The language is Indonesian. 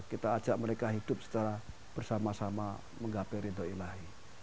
kita ajak mereka hidup secara bersama sama menggapai ridho ilahi